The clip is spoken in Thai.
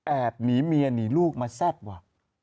หนีเมียหนีลูกมาแซ่บว่ะ